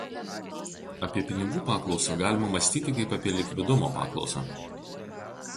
Apie pinigų paklausą galima mąstyti kaip apie likvidumo paklausą.